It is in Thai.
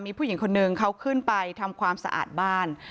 มีผู้หญิงคนนึงเขาขึ้นไปทำความสะอาดบ้าน